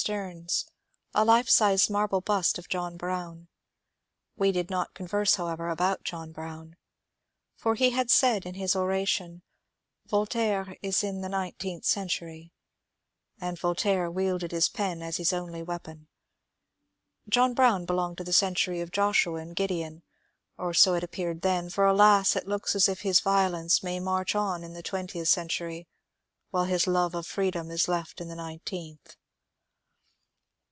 Steams a life size marble bust of John Brown. We did not converse, however, about John Brown. For he had said in his oration, " Voltaire is the nineteenth century." And Voltaire wielded the pen as his only weapon. John Brown belonged to the century of Joshua and Gideon ; or so it appeared then, — for alas I it looks as if his violence may march on in the twentieth century while his love of freedom is left in the nineteenth.